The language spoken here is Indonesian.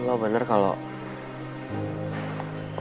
lo bener kalau